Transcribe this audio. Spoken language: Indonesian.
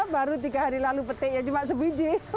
baru tiga hari lalu petiknya cuma sebijik